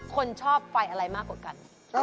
คนชอบไฟอะไรมากกว่ากัน